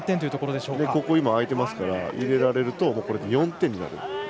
そして空いていますからまた入れられるとこれで４点になる。